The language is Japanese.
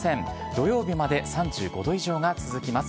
土曜日まで３５度以上が続きます。